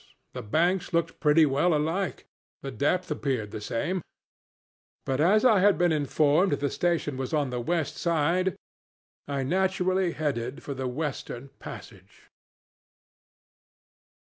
The banks looked pretty well alike, the depth appeared the same; but as I had been informed the station was on the west side, I naturally headed for the western passage.